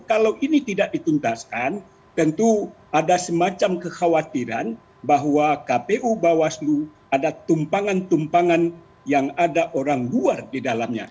kalau ini tidak dituntaskan tentu ada semacam kekhawatiran bahwa kpu bawaslu ada tumpangan tumpangan yang ada orang luar di dalamnya